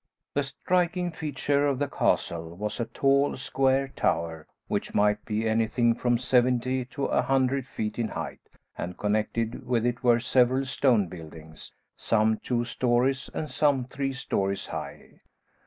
The striking feature of the castle was a tall square tower, which might be anything from seventy to a hundred feet in height; and connected with it were several stone buildings, some two stories and some three stories high.